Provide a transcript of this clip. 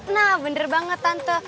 nah bener banget tante